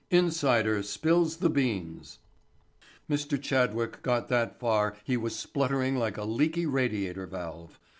–––– INSIDER SPILLS THE BEANS –––– By the time Mr. Chadwick got that far he was spluttering like a leaky radiator valve.